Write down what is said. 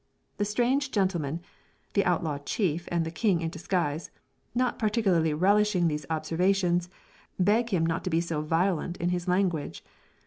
The strange gentlemen (the outlaw chief and the king in disguise), not particularly relishing these observations, beg him not to be so violent in his language.